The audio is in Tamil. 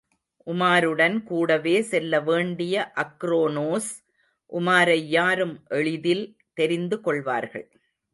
உமாருடன் கூடவே செல்ல வேண்டிய அக்ரோனோஸ், உமாரை யாரும் எளிதில் தெரிந்துகொள்வார்கள்.